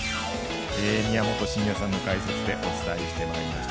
宮本慎也さんの解説でお伝えしてまいりました。